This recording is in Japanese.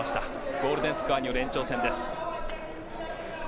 ゴールデンスコアによる延長戦です。